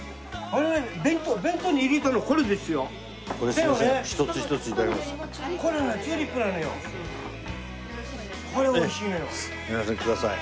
すいませんください。